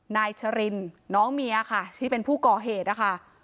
นายชรินน้องเมียค่ะที่เป็นผู้ก่อเหตุนะคะ